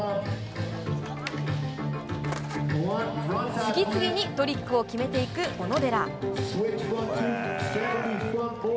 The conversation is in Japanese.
次々にトリックを決めていく小野寺。